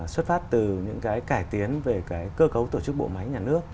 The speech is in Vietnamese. xuất phát từ những cái cải tiến về cái cơ cấu tổ chức bộ máy nhà nước